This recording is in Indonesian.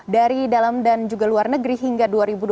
dari dalam dan juga luar negeri hingga dua ribu dua puluh